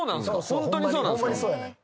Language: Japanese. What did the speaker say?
ホントにそうなんすか？